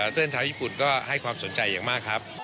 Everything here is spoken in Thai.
เส้นชาวญี่ปุ่นก็ให้ความสนใจอย่างมากครับ